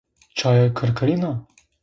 Çaye kırkırina?